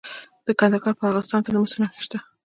د کندهار په ارغستان کې د مسو نښې شته.